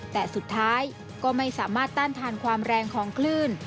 แต่สุดท้ายก็ไม่สามารถต้านทานความแรงของคลื่น